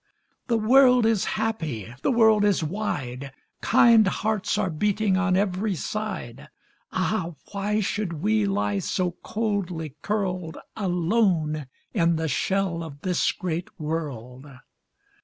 The world is happy, the world is wide, Kind hearts are beating on every side; Ah, why should we lie so coldly curled Alone in the shell of this great world?